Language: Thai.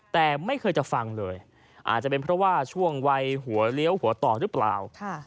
แต่ไม่เคยจะฟังเลยอาจจะเป็นเพราะว่าช่วงวัยหัวเลี้ยวหัวต่อหรือเปล่า